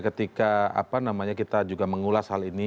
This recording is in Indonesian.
ketika apa namanya kita juga mengulas hal ini